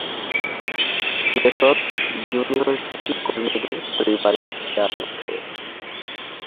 Jacobs university কর্মীদের পরিবারের খেয়াল রাখে।